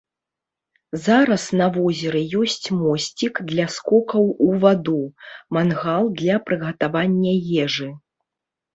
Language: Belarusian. Зараз на возеры ёсць мосцік для скокаў у ваду, мангал для прыгатавання ежы.